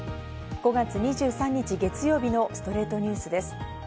５月２３日、月曜日の『ストレイトニュース』です。